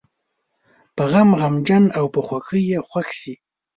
په غم غمجن او په خوښۍ یې خوښ شي.